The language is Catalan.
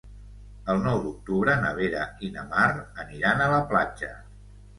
El nou d'octubre na Vera i na Mar aniran a la platja.